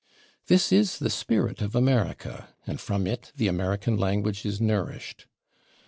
" This is the spirit of America, and from it the American language is nourished.